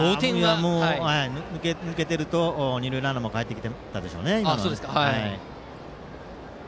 抜けていると二塁ランナーかえってきていたでしょうね。